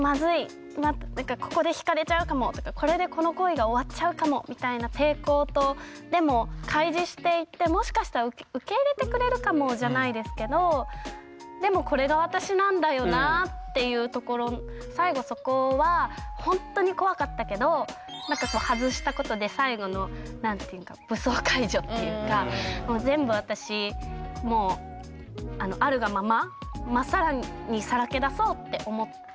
なんかここで引かれちゃうかもとかこれでこの恋が終わっちゃうかもみたいな抵抗とでも開示していってもしかしたら受け入れてくれるかもじゃないですけどでも最後そこはほんとに怖かったけどなんか外したことで最後の何て言うか武装解除っていうか全部私もうあるがまま真っさらにさらけ出そうって思って。